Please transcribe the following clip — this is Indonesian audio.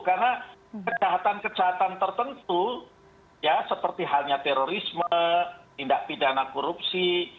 karena kejahatan kejahatan tertentu seperti halnya terorisme tindak pidana korupsi